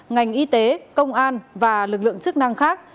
ngành y tế công an và lực lượng chức năng khác